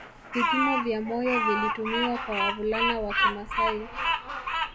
Vipimo vya moyo vilitumiwa kwa wavulana wa kimasai